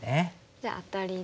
じゃあアタリで。